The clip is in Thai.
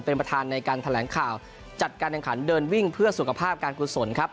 เป็นประธานในการแถลงข่าวจัดการแข่งขันเดินวิ่งเพื่อสุขภาพการกุศลครับ